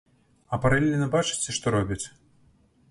А паралельна бачыце, што робяць!?